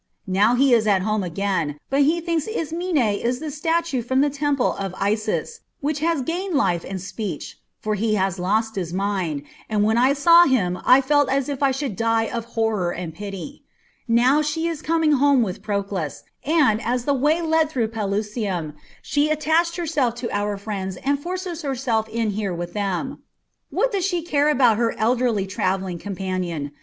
Now he is at home again, but he thinks Ismene is the statue from the Temple of Isis, which has gained life and speech; for he has lost his mind, and when I saw him I felt as if I should die of horror and pity. Now she is coming home with Proclus, and, as the way led through Pelusium, she attached herself to our friends and forces herself in here with them. What does she care about her elderly travelling companion?